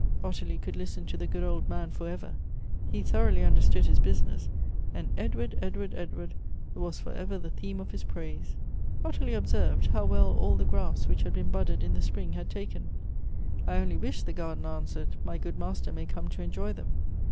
Ottilie could listen to the good old man for ever ! He thoroughly understood his business ; and Edward — Edward — Edward — was for ever the theme of his praise ! Ottilie observed, how well all the grafts which had been budded in the spring liad taken. " I only wish," the gardener answered, " my good master may come to enjoy them.